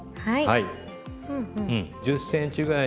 はい。